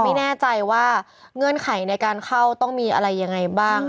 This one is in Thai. ไม่แน่ใจว่าเงื่อนไขในการเข้าต้องมีอะไรยังไงบ้าง